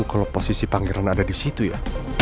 kalau posisi pangeran ada di situ ya